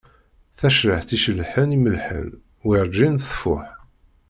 Tacriḥt icellḥen imellḥen, werǧin tfuḥ.